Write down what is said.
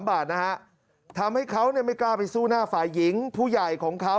บาทนะฮะทำให้เขาไม่กล้าไปสู้หน้าฝ่ายหญิงผู้ใหญ่ของเขา